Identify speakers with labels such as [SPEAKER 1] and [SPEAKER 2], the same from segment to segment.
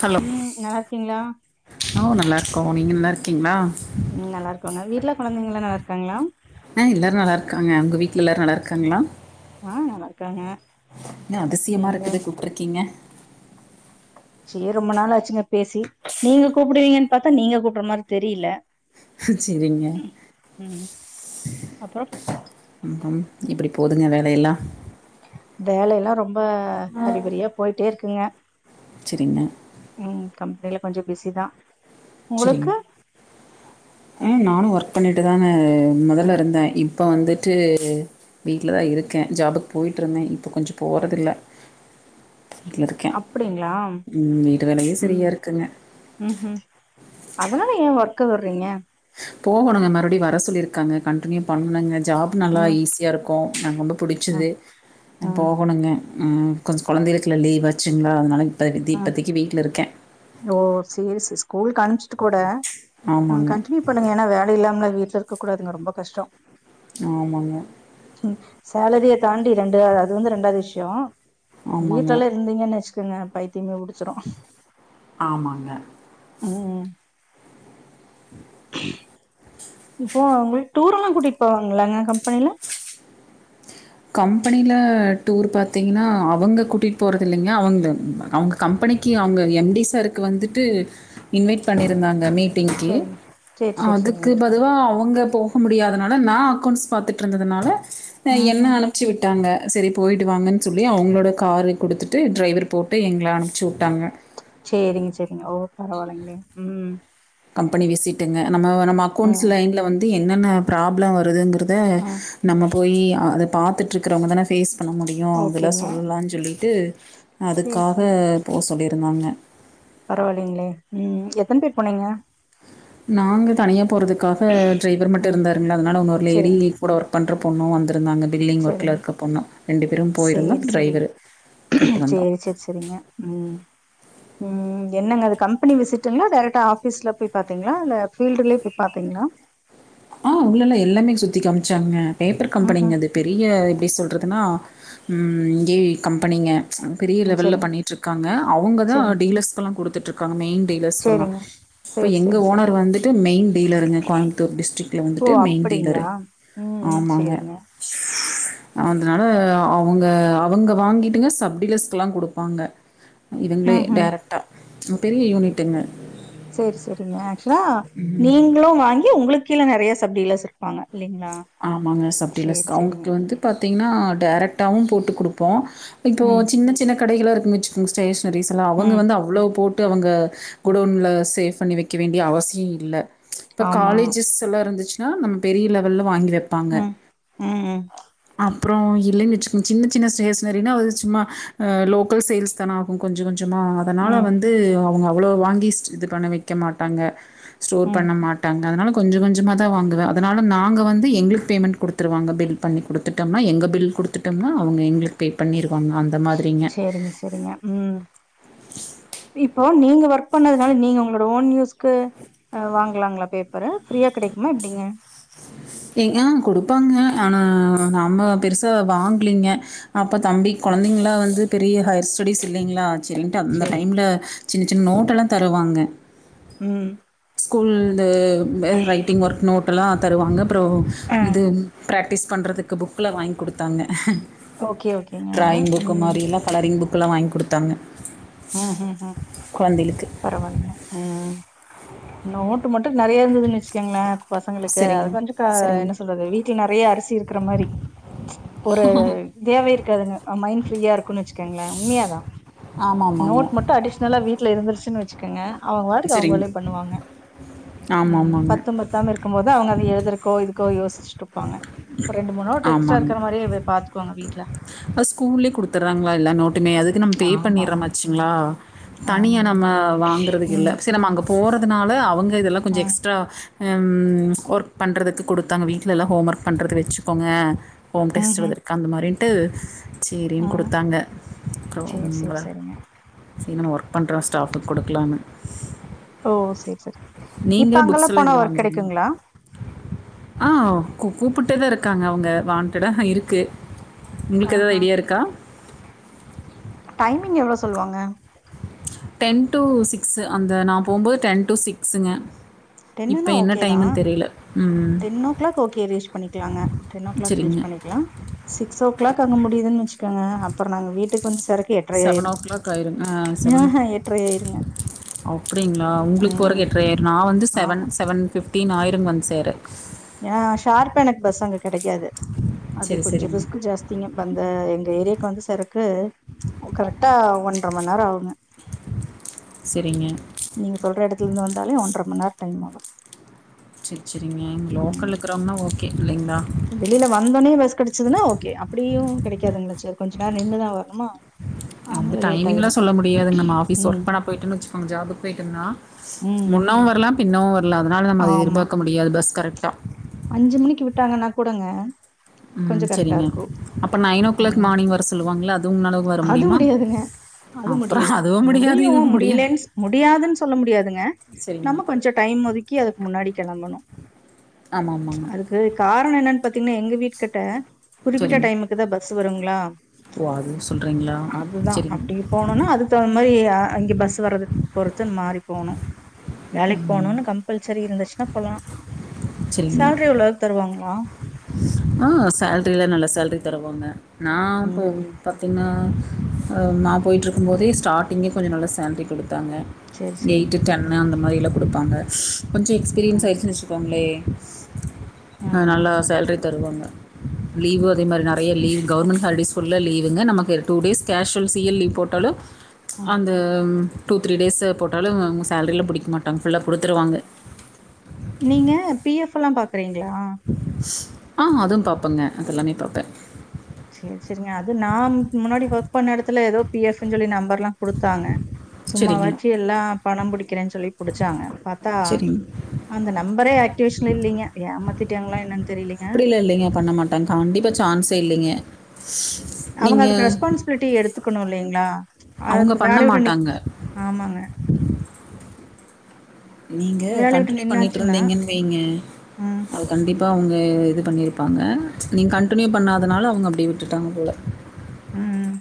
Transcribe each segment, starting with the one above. [SPEAKER 1] Hello
[SPEAKER 2] ம் நல்லா இருக்கீங்களா
[SPEAKER 1] கோ நீங்க நல்லா இருக்கீங்ளா
[SPEAKER 2] ம் நல்லா இருக்கோங்க வீட்ல கெழந்தைங்களா நல்லா இரு இருக்காங்களா
[SPEAKER 1] அ எல்லாரு நல்லா இருக்காங்க உங்க வீட்ல எல்லாரு நல்லா இருக்காங்களா
[SPEAKER 2] ஆ நல்லா இருக்காங்க
[SPEAKER 1] என்ன அதிசயமா
[SPEAKER 2] எங்க
[SPEAKER 1] இருக்கு கூப்ட்டுருக்கீங்க
[SPEAKER 2] சேர் ரொம்ப நாள் ஆச்சுங்க பேசி நீங்க கூப்பிடுவீங்கன் பத்தா நீங்க கூப்ட்ற மாரி தெரில
[SPEAKER 1] செரிங்க
[SPEAKER 2] அப்புறம்
[SPEAKER 1] எப்டி போ கொஞ்சோ வேலயெல்லா
[SPEAKER 2] வேலயெல்லா ரொம்ப ரொம்ப அரிபரியா போயிட்டே இருக்கு நீங்க
[SPEAKER 1] சரிங்க
[SPEAKER 2] உம் கம்பெனில கொஞ்சு பிசி தா உங்குளுக்கு
[SPEAKER 1] உம் நானு ஒர்க் பண்ணிட்டு தாங்க மொதல்ல
[SPEAKER 2] ம்
[SPEAKER 1] இருந்தே இப் இப்போ வந்துட்டு வீட்ல தா இருக்கே ஜாபுக்கு போயிட்டு இருந்தே இப்ப கொஞ்சு போறதில்ல
[SPEAKER 2] அப்படிங்களா
[SPEAKER 1] வீட்டு வேலையே
[SPEAKER 2] உம்
[SPEAKER 1] சரியாக இருக்குங்க
[SPEAKER 2] உம் உம் அதனால ஏ வர்க் கு விடுறீங்க
[SPEAKER 1] போகணுங்க மறுபடியு வர சொல்லி இருக்காங்க கண்டினியூ பண்ணுங்க ஜாப் நல்லா
[SPEAKER 2] ம்
[SPEAKER 1] ஈஸியா இருக்கு எனக்கு ரொம்ப பிடிச்சது
[SPEAKER 2] ம்
[SPEAKER 1] ஆ
[SPEAKER 2] ம்
[SPEAKER 1] போகணுங்க ஆ கொஞ்சு கொழந்தைகளுக்கெல்லா லீவ் ஆச்சுங்களா அதனால இப்போ தி
[SPEAKER 2] ம்
[SPEAKER 1] இப்போதைக்கி வீட்டில இருக்கே
[SPEAKER 2] ஓ சேரி சிஸ் ஸ்கூலுக்கு அனுப்பிச்சிட்டு கூட ஆ
[SPEAKER 1] ஆமாங்க
[SPEAKER 2] கன்டினியூ பண்ணுங்க ஏன்னா வேல இல்லாமல வீட்டுல இரு இருக்க கூடாதுங்க ரொம்போ கஷ்டோ
[SPEAKER 1] ஆமாங்க
[SPEAKER 2] ம் சேலரிய தாண்டி ரெண்டு அது வந்து ரெண்டாவது விஷியோ
[SPEAKER 1] ஆமாங்க
[SPEAKER 2] வீட்டுல எல்லா இருந்தீங்கன்னு வெச்சு இருக்குங்க பைத்தியமே புடிச்சிரு
[SPEAKER 1] ஆமாங்க
[SPEAKER 2] உம்
[SPEAKER 1] [inaudible]
[SPEAKER 2] இப்போ உங்களுக்கு டூர் எல்லா கூட்டிட்டு போவாங்களாங்க கம்பெனியில
[SPEAKER 1] கம்பெனியில டூர் பாத்தீங்கன்னா அவங்க கூட்டிட்டு போறத இல்லைங்க அவங்க அவங்க கம்பெனிக்கு அவங்க எம்டி சாருக்கு வந்துட்டு இன்வைட் பண்ணியிருந்தாங்க மீட் மீட்டிங்கு
[SPEAKER 2] சேரிங்க சேரி சேரி சேரிங்க
[SPEAKER 1] அதுக்கு பதுவா அவங்க போக முடியாதனால நா அக்கௌண்ட்ஸ் பாத்துட்டு ட்ருந்ததுனால
[SPEAKER 2] உம் உம்
[SPEAKER 1] அனுப்பிச்சி விட்டாங்க செரி போயிட்டு வாங்கன்னு சொல்லி அவங்களோட காரு கொடுத்துட்டு டிரைவர் போட்டு எங்கள அனுப்பிச்சி விட்டாங்க
[SPEAKER 2] செரிங்க செரிங்க ஓ பரவாலெங்களோ உம்
[SPEAKER 1] கம்பெனி விசிட்டுங்க நம்ம நம்ம அக்கௌண்ட்ஸ்
[SPEAKER 2] ம்
[SPEAKER 1] லைன்ல வந்து என்னென்ன ப்ராப்ளோ வருதுங்குற த
[SPEAKER 2] ம்
[SPEAKER 1] நம்ம போயி அத பாத்துட்டுருக்கறவங்க தானே ஃபேஸ் பண்ண முடியு அதெல்லா
[SPEAKER 2] ஓகேங்க
[SPEAKER 1] சொல்லலானு சொல்லிட்டு
[SPEAKER 2] சேரி
[SPEAKER 1] அதுக்காக போ சொல்லிருக் பண்வாங்க
[SPEAKER 2] பரவால்லிங்ளே ம் எத்தன பேர் போனீங்க
[SPEAKER 1] நாங்க தனியா போறதுக்காக ட்ரைவர் மட்டு
[SPEAKER 2] ம்
[SPEAKER 1] இருந்தாருங்களா அதனால இன்னொரு லேடி
[SPEAKER 2] சேரிங்க
[SPEAKER 1] கூட ஒர்க் பண்ற பொண்ணு வந்து இருந்தாங்க பில்ங் ஒர்க்ல
[SPEAKER 2] சேரிங்க
[SPEAKER 1] இருக்க பொண்ணு ரெண்டு பேரும் போயிருந்தோ
[SPEAKER 2] சேரி சேரிங்க
[SPEAKER 1] ட்ரைவர் போயிட்டு வந்தோ
[SPEAKER 2] சேரி சேரி சேரிங்க ம் ம் என்னங்க அது கம்பெனி விசிட்டுங்களா டேரெக்டா ஆஃபீஸ்ல போய் பாத்தீங்ளா இல்ல ஃபீல்டுலயே போய் பாத்தீங்களா
[SPEAKER 1] ஆ உள்ளெல்லா எல்லாமே சுத்தி காமிச்சாங்க பேப்பர்
[SPEAKER 2] ம்ஹூம்
[SPEAKER 1] கம்பனிங்க அது பெரிய எப்டி சொல்றதுனா ம் இங்கே கம்பனிங்க பெரிய
[SPEAKER 2] ம்
[SPEAKER 1] லெவல்ல
[SPEAKER 2] சரிங்க
[SPEAKER 1] பண்ணிட்டு இருக்காங்க அவுங்கதா
[SPEAKER 2] சரிங்க
[SPEAKER 1] டீலஸ்ர்க்லா குடுத் த்துட்டுருக்காங்க மெயீன் டீலர்ஸ்க்ல்லா
[SPEAKER 2] சரிங்க
[SPEAKER 1] இப்ப
[SPEAKER 2] சரி
[SPEAKER 1] எங்க
[SPEAKER 2] சரி சரி
[SPEAKER 1] ஓனர் வந்துட்டு மெயின் டீலருங்க கோயம்புத்தூர் டிஸ்டிக்
[SPEAKER 2] ஓ அப்பிடிங்ளா ம் ம் சேரிங்க
[SPEAKER 1] அதனால அவுங்க அவங்க வாங்கிட்டுங்க சப்டீலர்ஸ்க்லா குடுப்பாங்க இவங்களே
[SPEAKER 2] ம்ஹூம்
[SPEAKER 1] டேரைக்டா பெரிய யூனிட்டுங்க
[SPEAKER 2] சேரி செரிங்க ஆக்ஸ் ரா நீங்ளு வாங்கி ஏ உங்ளுக் கீழ நறைய சப்டீலர்ஸ் இருப்பாங்க இல்லைங்களா
[SPEAKER 1] ஆமாங்க சப்டீலர்ஸ்
[SPEAKER 2] சரி
[SPEAKER 1] அவுங்ளுக்
[SPEAKER 2] சரிங்க
[SPEAKER 1] வந்து பாத்தீங்னா டேரக்ட் டாவு போட்டுக் குடுப்போ இப்போ
[SPEAKER 2] ம்
[SPEAKER 1] சின்ன சின்ன கடைகளா வச்சிங் ஸ்டேஸ் னரீஸ்லா அவுங்க
[SPEAKER 2] ம்
[SPEAKER 1] வந்து அவ்ளோ போட் ட்டு அவங்க குடோன்ல சேஃப் பண்ணி வெக்க வேண்டிய அவசிய இல்ல இப்ப
[SPEAKER 2] ஆமா
[SPEAKER 1] காலேஜெஸ் எல்லா இருந்துச்சினா நம் பெரிய லெவல்ல வாங்கி வெப்
[SPEAKER 2] ம் ம் ம்
[SPEAKER 1] அப்றோ இல்லேன்னு வெச்சிக்ங் சின்ன சின்ன ஸ்டேஸ்னரினா அது சும்மா ஆ லோக்கல் சேல்ஸ் தான ஆகு கொஞ்சோ கொஞ் சமா அதனால
[SPEAKER 2] ம்
[SPEAKER 1] வந்து அவுங்க அவ்ளோ வாங்கி ஸ்ட் இது பண்ண வெக்க மாட்டாங்க ஸ்டோர்
[SPEAKER 2] ம்
[SPEAKER 1] பண்ண மாட்டாங்க அதனால கொஞ்சோ கொஞ்சமாதா வாங்குவ அதனால நாங்க வந்து து எங்குளுக் பேமெண்ட் குடுத்துருவாங்க பில் பண்ணி குடுத்துட்டம்னா எங்க பில் குடுத்துட்டம்னா அவுங்க எங்குளுக் பே பண்ணீரு பண்ணா அந்த மாதிரிங்கெ
[SPEAKER 2] சரிங்க சரிங்க ம் இப்போ நீங்க ஒர்க் பண்ணதுனாலெ நீங்க உங்களோட ஓன் யூஸ் கு வாங்கலாங்களா பேப்பரூ ஃப்ரீயா கெடைக்குமா எப்டீங்க
[SPEAKER 1] ஏ ஆ குடுப்பாங்கெ ஆனா நம்மோ பெருசா வாங்கிலீங்கெ அப்ப தம்பி கொழந்தெங்ளா வந்து பெரீயெ ஹைர் ஸ்டடீஸ் இல்லிங்களா செரீன்டு அந்த
[SPEAKER 2] சரிங்க
[SPEAKER 1] டைம்ல சின்ன சின்ன நோட்டலா தருவாங்க
[SPEAKER 2] உம்
[SPEAKER 1] ஸ்கூல் இது இந்த ரைட்டிங் ஒர்க் நோட்டெல்லா தருவாங்க அப்புறோ
[SPEAKER 2] ஆ
[SPEAKER 1] இது பிராக்டிஸ் பண்ணறதுக்கு புக்குல வாங்கி குடுத்தாங்க
[SPEAKER 2] ஓகே ஓகேங்க
[SPEAKER 1] டிராயிங் புக்கு மாரி எல்லா கலரிங் புக் புக்கல்லா வாங்கி குடுத்தாங்க
[SPEAKER 2] உம் உம் உம் பரவாலைங்க உம் நோட்டு மட் டு நறையா இருந்ததுன்னு வெச்சுக்கங்களே பசங்களுக்கு அத
[SPEAKER 1] சரிங்க
[SPEAKER 2] கொஞ்சு க
[SPEAKER 1] சரிங்க
[SPEAKER 2] என்ன சொல்றது வீட்டுல நெறையா அரிசி இருக்கு இருக்குரமாரி ஒரு தேவ இருகாதுங்க மைண்ட் ஃப்ரீயா இருக்குன்னு வெச்சுக்கங்களே உண்மையாதா
[SPEAKER 1] ஆமாம் ஆமாங்க
[SPEAKER 2] நோட் மட்டு அடிஷ்னலா வீட் வீட்ல இருந்துருச்சுன்னு வெச்சுக்கங்க அவங்க வாட்டுக்கு அவங்க
[SPEAKER 1] சரிங்க
[SPEAKER 2] வேலைய பண்ணுவாங்க
[SPEAKER 1] ஆமாம்
[SPEAKER 2] உம்
[SPEAKER 1] ஆமாங்க
[SPEAKER 2] பத்து பத்தாம இருக்கு போது அவங்க அத எழுதுருக்கோ இது கோ யோசிச்ட்டு இருப்பாங்க ஒரு ரெண்டு மூணு நோட்டு எக்ஸ்ட்ரா இருக்கற மாரியே வே பாத்துக்கோங்க வீ வீட்டுல
[SPEAKER 1] ஆ ஸ்கூல்லேயே குடுத்துடுறாங்களா எல்லா நோட்டுமே அதுக்கு நம்ம பே
[SPEAKER 2] ஆமா ஆமா
[SPEAKER 1] பண்ணிறாமாச்சு ங்களா
[SPEAKER 2] ஆமா
[SPEAKER 1] தனியாக நம்ம வாங்கறதுக்கு இல்ல
[SPEAKER 2] ம்
[SPEAKER 1] செரி நம்ம அங்கே போறதுனால அவங்க இதெல்லா கொஞ்சு
[SPEAKER 2] ம்
[SPEAKER 1] எக்ஸ்ட்ரா ம் ஒர்க் பண்ணுறதுக்கு கொடுத்தாங்க வீட்டுலல்லா ஹோம் ஒர்க் பண்ணுறதுக்கு வெச்சுக்கோங்க ஹோம்
[SPEAKER 2] ம்
[SPEAKER 1] டெஸ்ட்
[SPEAKER 2] ம்
[SPEAKER 1] எழுதருக்கு அந்த மாரினு ட்டு சேரினு
[SPEAKER 2] ம்
[SPEAKER 1] குடுத்தாங்க அப்ரோ
[SPEAKER 2] சேரி சேரி
[SPEAKER 1] ரொம்ப
[SPEAKER 2] சேரிங்க
[SPEAKER 1] சரி நம்ப ஒர்க் பண்றோ ஸ்டாஃபுக்கு குடுக்கலானு
[SPEAKER 2] ஓ செரி சரி இப்ப
[SPEAKER 1] புக்ஸ்
[SPEAKER 2] அங்கெல்லா போனா ஒர்க் கெடைக்குங்களா
[SPEAKER 1] ஆஹ் கூ கூப்பிட்டேதா இருக்காங்க அவங்க வான்டெடா இருக்கு ஒங்ளுக்கு எதாது
[SPEAKER 2] ஆஹா
[SPEAKER 1] ஐடியா இருக்கா
[SPEAKER 2] டைமிங் எவ்ளோ சொல்லுவாங்க
[SPEAKER 1] டென் டு சிக்ஸ் அந்த நா போம்போது டென் டு சிக்ஸ்ங்க இப்ப
[SPEAKER 2] டென்னுனா
[SPEAKER 1] என்ன
[SPEAKER 2] ஓகே தா
[SPEAKER 1] டைம்னு தெரி
[SPEAKER 2] ten o'clock okay reach பண்ணிக்கலாங்க டென் ஓ கிளாக் ரீச்
[SPEAKER 1] சரிங்க.
[SPEAKER 2] பண்ணிக்கலா சிக்ஸ் ஓ கிளாக் கங்க முடியதுன்னு வச்சுக்கோங்க அப்றோ நாங்க வீட்டுக்கு வந்து சேரக்கு எட்ரை ஆயிரு
[SPEAKER 1] செவனோ ஓ கிளாக் ஆயிருங்க செவன்
[SPEAKER 2] ஆஹா எட்ரை ஆயிருங்க
[SPEAKER 1] அப்டிங்ளா ஒங்ளுக்கு போறதுக்கு
[SPEAKER 2] ம்
[SPEAKER 1] எட்ரையாயிரு நா வந்து செவன்
[SPEAKER 2] ஆமா
[SPEAKER 1] செவன் டின் ஆயிரு வந்து சேர
[SPEAKER 2] ஏ ஷார்ப எனக்கு பஸ் அங்க கெடைக்காது அது
[SPEAKER 1] சரி,
[SPEAKER 2] கொஞ்சோ
[SPEAKER 1] சரிங்க.
[SPEAKER 2] ரிஸ்க்கு ஜாஸ்திங்க வந்த ஏரியாக்கு வந்து சேரக்கு கரெட்டா ஒன்றர மண் நேரோ ஆகுங்க
[SPEAKER 1] செரிங்க
[SPEAKER 2] டைமாகு
[SPEAKER 1] செரி செரிங்க லோக்கல்ல இருக்குறவங்னா ஓகே இல்லைங்களா?
[SPEAKER 2] வெளில வந்தோனே பஸ் கெடச்சதுன்னா ஓகே அப்டியு கெடைக்காதுங் கொஞ்சோ நேரோ நின்னுதா வரனுமா
[SPEAKER 1] அந்த டைமிங்லா சொல்ல முடியாதுங்க நம்ப ஆபீஸ் ஒர்க்
[SPEAKER 2] ம்
[SPEAKER 1] பண்ண பொயிட்டோன்னு வச்சுக்கோங்க ஜாபுக்கு பொயிட்டோம்ன்னா
[SPEAKER 2] ம்
[SPEAKER 1] [unintelligible] இன்னோ ஒர்க் அதனால நம்ப அத
[SPEAKER 2] ஆமா
[SPEAKER 1] எதிர்பாக்க முடியாது பஸ் கரெ ட்டா
[SPEAKER 2] அஞ்சு மணிக்கு விட்டாங்கனா கூடங்க
[SPEAKER 1] ம்.
[SPEAKER 2] கொஞ்சோ கரெக்டா
[SPEAKER 1] சரிங்க.
[SPEAKER 2] இருக்கு
[SPEAKER 1] அப்ப
[SPEAKER 2] ம்
[SPEAKER 1] மார்னிங் வர சொல்லுவாங்கல்ல. அது உங்களால வர
[SPEAKER 2] அது
[SPEAKER 1] முடியுமா?
[SPEAKER 2] முடியாதுங்க அது
[SPEAKER 1] அப்புறம்
[SPEAKER 2] முடியாது
[SPEAKER 1] அதுவும் முடியாது,
[SPEAKER 2] முடியு
[SPEAKER 1] இதுவும் முடியாது.
[SPEAKER 2] முடியலேன்னு முடியாதுன்னு சொல்ல முடியாதுங்க
[SPEAKER 1] சரிங்க.
[SPEAKER 2] நம்ப கொஞ்சோ டைம் ஒதுக்கி அதுக்கு முன்னாடி கெளம்பனு
[SPEAKER 1] ஆமா, ஆமாங்க.
[SPEAKER 2] அதுக்கு காரணோ என்னன்னு பாத் திங்னா எங்க வீட்டு கிட்ட குறிப்பிட்ட
[SPEAKER 1] சரிங்க.
[SPEAKER 2] டைமுக்கு தா பஸ் வருங்களா
[SPEAKER 1] ஓ! அதுவும் சொல்றீங்களா?
[SPEAKER 2] அதுதா
[SPEAKER 1] சரிங்க,
[SPEAKER 2] அப்டி போனும்னா அதுக்கு தகுந்த மாரி அங்க பஸ் வரதுக்கு பொருத்து மாறி போனு வேலைக்கு போனுன்னு கம்பல்சரி இருந்துச்சுன்னா போலா
[SPEAKER 1] சரிங்க.
[SPEAKER 2] சேல்ரி எவ்ளவு தருவாங்ளா
[SPEAKER 1] ஆ சேல்ரிலா நல்ல சேல்ரி தருவாங்க நா அப்போ
[SPEAKER 2] ம்
[SPEAKER 1] பாத்தீங்ன்னா நா பொய்ட்ருக்கும் போதே ஸ்டார்டிங்கே கொஞ்சோ நல்ல சேல்ரி குடு தாங்க
[SPEAKER 2] சேரி சேரிங்க
[SPEAKER 1] எய்ட்டு டென்னு அந்த அந்த மாரியிலா குடுப்பாங்க கொஞ்ச எக்ஸ்பீரியன்ஸ்
[SPEAKER 2] ம்
[SPEAKER 1] ஆயிருச்சினு வச்சிக்கோங்களே [unintelligible] ஆ
[SPEAKER 2] ம்ஹூ
[SPEAKER 1] நல்ல சேல ரி தருவாங்க லீவு அதே மாரி நெறைய லீவ் கவர்மெண்ட் ஹாலிடேஸ் ஃபுல்லா லீவுங்க நமக்கு two days casual C L leave போட்டாலு
[SPEAKER 2] ஆமா
[SPEAKER 1] அந்த டூ த்ரீ டேஸ்ஸு போட்டாலு அவுங்க சோலரியில புடிக்க மாட்டாங்க ஃபுல்லா குடுத்துருவாங்க
[SPEAKER 2] நீங்க பி ஃஎப்பெல்லா பா சரீங்களா
[SPEAKER 1] அ அதுவு பாப்பேங்க அதெல்லாமே பாப்பே
[SPEAKER 2] செரி செரிங்க அது நா முன்னாடி ஒர்க் பண்ண எடத்துல ஏதோ பி எஃப்ன்னு சொல்லி நம்பர்லா குடுத்தாங்க
[SPEAKER 1] சரிங்க
[SPEAKER 2] சும்மாவாச்சு எல்லா பணோ பிடிக்கிறேன்னு சொல்லி புடிச்சா [unintelligible] பாத்தா
[SPEAKER 1] சரிங்க
[SPEAKER 2] அந்த நம்பரே ஆக்டிவேஷன்ல இல்லைங்க ஏமா திட்டாயாங்களா என்னங்
[SPEAKER 1] அப்பிடில்லா இல்லைங்க பண்ண மாட்டாங்க கண்டிப்பா சான்ஸே இல்லைங்க
[SPEAKER 2] அவங்க அதுக்கு
[SPEAKER 1] நீங்கள்
[SPEAKER 2] ரெஸ்பான்சிபிலிட்டி எடுத்து இருக்கணு இல்லைங்களா ஆ
[SPEAKER 1] அவங்க
[SPEAKER 2] அப்
[SPEAKER 1] பண்ண
[SPEAKER 2] வேலய உட்டு
[SPEAKER 1] மாட்டாங்க
[SPEAKER 2] நிக் ஆமாங்க
[SPEAKER 1] நீங்க
[SPEAKER 2] வேலைய விட்டு
[SPEAKER 1] கண்டின்யூ பண்ணிட்டு
[SPEAKER 2] நின்னாச்சுன்னா
[SPEAKER 1] இருந்திங்கன் வெய்ங்க
[SPEAKER 2] ம்,
[SPEAKER 1] அது கண்டிப் ப்ப அவுங்க இது பண்ணிருப்பாங்க நீங்க கன்டினியூ பண்ணாதனால அவுங்க அப்டியே விட்டுட்டாங்க போல
[SPEAKER 2] ம்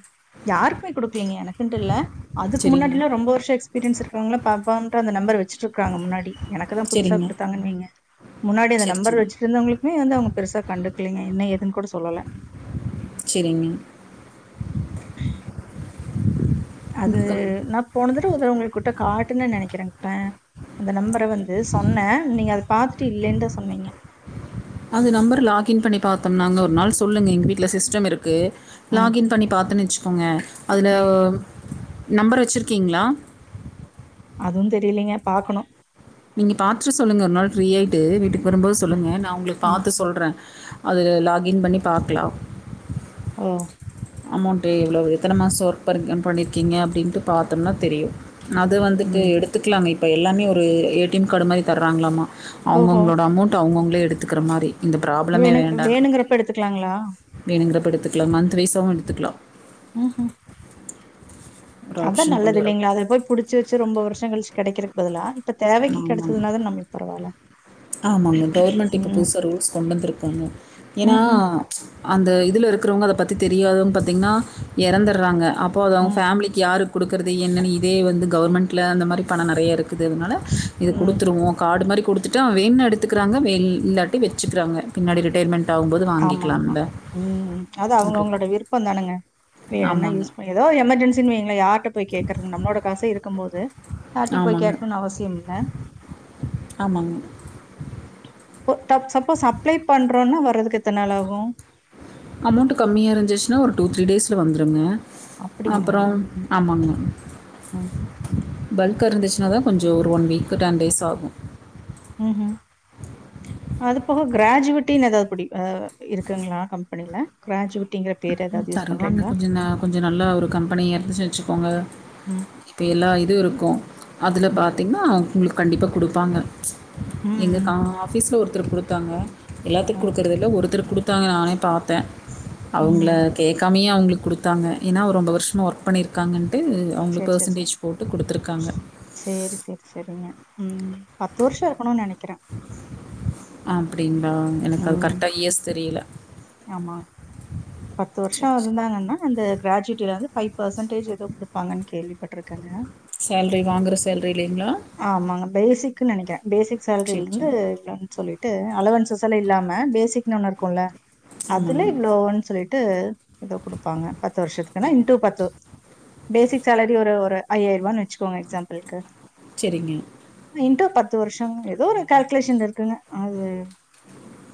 [SPEAKER 2] யாருக்குமே குடுக்கலங்க எனக்குன்ட்டு இல்ல அதுக்கு
[SPEAKER 1] சரிங்க.
[SPEAKER 2] முன்னாடியெல்லா ரொம்ப வருஷோ எக்ஸ்பீரியன்ஸ் இருக்கவங்களா பாப்பாங் ட்ட அந்த நம்பர் வெச் வெச்சுட்ருக்காங்க முன்னாடி எனக்குதா புதுசா
[SPEAKER 1] சரிங்க.
[SPEAKER 2] குடுத்தாங்கன் வெய்ங்க முன்னாடி அந்த
[SPEAKER 1] சரி,
[SPEAKER 2] நம்பர்
[SPEAKER 1] சரி.
[SPEAKER 2] வெச்சுட்ருந்தவங்களுக்மே வந்து அவங்க பெருசா கண்டுக்கலிங்க என்ன ஏதுனு கூட சொல்லல
[SPEAKER 1] சரிங்க.
[SPEAKER 2] அது
[SPEAKER 1] ம்.
[SPEAKER 2] நா போனது ட்டு இது உங்ககுட்ட காட்னே நெனைக்கிறேங் ப்ப அந்த நம்பர் ட்ட வந்து சொன்னே நீங்க அத பாத்துட்டு இல்லேன்னு தா சொன்னீங்க
[SPEAKER 1] அந்த நம்பர் லாக்கின் பண்ணி பாத்தோம் நாங்க ஒரு நாள் சொல்லுங்க எங்க வீட்ல சிஸ்டம் இருக்கு
[SPEAKER 2] ம்,
[SPEAKER 1] லாகின் பண்ணி பாத்தன் வெச்சுக்கங்க அதுல
[SPEAKER 2] ம்.
[SPEAKER 1] நம்பர் வச்சுருக்கிங்ளா
[SPEAKER 2] அதுவு தெரிலைங்க பாக்கணு
[SPEAKER 1] நீங்க பாத்துட்டு சொல்லுங்க ஒரு நாள் ஃப்ரி ஆயிட்டு வீட்டுக்கு வரும்போது
[SPEAKER 2] ம்,
[SPEAKER 1] சொல்லுங்க நா உங்களுக்கு
[SPEAKER 2] ம்.
[SPEAKER 1] பாத்து சொல்றே அதில் லாகின் பண்ணி பாக்லா
[SPEAKER 2] ஒ
[SPEAKER 1] அமௌண்ட் எவ்ளவு எத்தன மாச ஒர்க் பண்ணி பண்ணிருக்கிங்க அப்படின்ட்டு பாத்தம்னா தெரியு அது வந்துட்டு
[SPEAKER 2] ம்.
[SPEAKER 1] எடுத்துக்கலாமே இப்போ எல்லாமே ஒரு ஏ டி எம் கார்டு மாதிரி தராங்களாமா அவுங்கவுங்களோட அமௌண்ட்டு அவுங்கவுங்க ளே எடுத்துக்கிற மாரி
[SPEAKER 2] வேணுங் வேணுங்கறப்ப எடுத்துக்கலாங்களா
[SPEAKER 1] எடுத்துக்கலா மந்த் வைஸ்ஸாவு எடு த்துக்லா ஒரு
[SPEAKER 2] அதா
[SPEAKER 1] ஆப்ஷன் கொண்டு
[SPEAKER 2] நல்லது
[SPEAKER 1] வர
[SPEAKER 2] இல்லீங்களா அத போய் புடிச்சு வச்சி ரொம்ப வருஷ கழிச்சி கெடக்கிறக்கு பதிலா இப்ப தேவைக்கு
[SPEAKER 1] ஆமாங்க
[SPEAKER 2] கெடைச்சிதுன்னாதா நம்ளுக்கு பரவால்ல
[SPEAKER 1] ஆமாங்க கவர்மெண்ட் இப்ப
[SPEAKER 2] ம்.
[SPEAKER 1] புதுசா ரூல்ஸ் கொண்டு வந்துருக்காங்க ஏன்னா
[SPEAKER 2] ம்ஹ்ம்.
[SPEAKER 1] அந்த இதுல இருக்கிறவங்க அத பத்தி தெரியாதவங்க பாத்திங்ன்னா எறந்துட்றாங்க அப்போ அது அவுங்க
[SPEAKER 2] ம்,
[SPEAKER 1] ஃபேமிலிக்கு யாருக் குடுக்கறது என்னென்னு இதே வந்து கவர்மெண்ட்ல அந்த மாரி பண நெறைய இருக் க்குது அதனால இது
[SPEAKER 2] ம்.
[SPEAKER 1] குடுத்துருவோ கார்டு மாரி ட்டா வேணுன்னா எடுத்துக்கிறாங்க வே இல்லாட்டி வெச்சிக்றாங்க பின்னாடி ரிட்டயர்மென்
[SPEAKER 2] ஆமா ஆமா ம் அது
[SPEAKER 1] அப்படி.
[SPEAKER 2] அவுங்கவுங்களோட விருப்பம் தானங்க வேணுன்னா
[SPEAKER 1] ஆமாங்க.
[SPEAKER 2] யூஸ் பண்ணி ஏதோ எமர்ஜென்சின்னு வைங்கள யார்ட்ட போய் கேக்கறது நம்ளோட காசே இருக்கும் போது யார்ட்டையு போய்
[SPEAKER 1] ஆமாங்க.
[SPEAKER 2] கேக்கணுன்னு அவசியமில்ல
[SPEAKER 1] ஆமாங்க.
[SPEAKER 2] இப்போ தப் சப்போஸ் அப்ளே பண்றோன்னா வரதுக்கு
[SPEAKER 1] அமோண்ட்டு கம்மியா இருந்துச்சினா ஒரு டூ த்ரீ டேஸ்ல வந்துருங்க
[SPEAKER 2] அப்டிங்களா
[SPEAKER 1] அப்பறம்
[SPEAKER 2] ம்
[SPEAKER 1] ஆமாங்க
[SPEAKER 2] ம்
[SPEAKER 1] பல்க்கா இருந்துச்சினாதா கொஞ்சோ ஒரு ஒன் வீக்கு டென் டேஸ் ஆகு
[SPEAKER 2] ம்ஹும் அது போக கிராஜுவட்டின்னு எதாவது புடிப் ஆ இருக்குங்களா கம்பெனில கிராஜுவ
[SPEAKER 1] தருவாங்க கொஞ்ச ந கொஞ்ச நல்லா ஒரு கம்பெனியா இருந்துச்சுன்னு வச்சுக்கோங்க
[SPEAKER 2] ம்
[SPEAKER 1] இப்போ எல்லா இதுவு இருக்கு அதுல
[SPEAKER 2] ம்
[SPEAKER 1] பாத்தீங்னா உங்ளுக் கண்டிப்பா குடுப்பாங்க எங்க
[SPEAKER 2] ம்
[SPEAKER 1] கா ஆஃபீஸ்ல ஒரு த்தருக் குடுத்தாங்க எல்லாத்துக்கு
[SPEAKER 2] ம்
[SPEAKER 1] குடுக்கறதில்ல ஒருத்தருக் குடுத் குடுத்தாங்க நானே பாத்த அவுங்கள
[SPEAKER 2] ம்
[SPEAKER 1] கேக்காமையே அவுங்களுக் குடுத்தாங்க ஏன்னா ஒரு ரொம்ப வருஷமாக ஒர்க் பண்ணிருக்காங்கன்னு
[SPEAKER 2] சேர் சேர் சேர் ஸ் சேரி சேரி செரிங்க ம் பத்து வருஷ இருக்கணுன்னு நெனைக்கிற
[SPEAKER 1] அப்டின்னு ஆ எனக்கு அது கரெக்டாக இயர்ஸ் தெரியல
[SPEAKER 2] ஆமான் பத்து வருஷம் இருந்தாங்கன்னா அந்த கிராஜுவேட்டிலிருந்து ஃபைவ் பர்சன்டேஜ் ஏதோ குடுப்பாங்கன்னு கேள்விப்பட்டிருக்ங்க
[SPEAKER 1] சேலரி வாங்குற சேலரி இல்லைங்களா
[SPEAKER 2] ஆமாங்க பேசிக்னுு நினைக்கே பேசிக்
[SPEAKER 1] சரி
[SPEAKER 2] சேலரில இருந்து
[SPEAKER 1] சரி
[SPEAKER 2] இவ்லோன்னு சொல்லி ட்டு அளவன்சுசல இல்லாம பேசிக்னு ஒண்ணு இருக்குல அதுல
[SPEAKER 1] ஆமாங்க.
[SPEAKER 2] இவ்வளோன்னு சொல்லிட் டு ஏதோ குடுப்பாங்க பத்து வருஷ் த்துக்குன இன்டு பத்து பேசிக் சாலரி ஒரு ஒரு ஐயாயிரம் ரூவாய்ன்னு வச்சுக்கோங்க எக்ஸாம்பில்க்கு
[SPEAKER 1] சரிங்க
[SPEAKER 2] இன்ட்டு பத்து வருஷம் ஏதோ ஒரு கால்குலேஷன் இருக்குங்க அது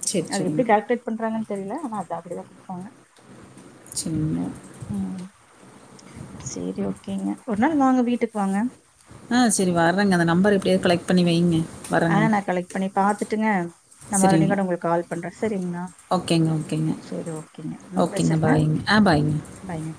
[SPEAKER 1] சரி,
[SPEAKER 2] அது எப்படி
[SPEAKER 1] சரிங்க.
[SPEAKER 2] கால்குலேட் பண்றாங்க தெரியல ஆனா அத அப்படிதான் குடுப்பாங்க
[SPEAKER 1] சின்ன
[SPEAKER 2] சேரி ஓகேங்க நாள் வாங்க வீட்டுக்கு வாங்க
[SPEAKER 1] ஆ சரி வர்றங்க அந்த நம்பர் எப்டியாவது கலெக்ட் பண்ணி வைங்க.
[SPEAKER 2] ஆ
[SPEAKER 1] வர்றேங்க.
[SPEAKER 2] நான் கலெக்ட் பண்ணி பாத்துட்டுங்க நான் மறுபடியும்
[SPEAKER 1] சரிங்க.
[SPEAKER 2] கூட உங்களுக்கு கால் பண்றன் சரிங்களா
[SPEAKER 1] ஓகேங்க, ஓகேங்க.
[SPEAKER 2] சரி ஓகேங்க ம்
[SPEAKER 1] ஓகேங்க.
[SPEAKER 2] வச்சருங்க
[SPEAKER 1] பாய்ங்க. ஆ பாய்ங்க.
[SPEAKER 2] பாய்ங்க